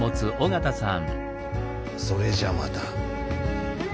それじゃあまた。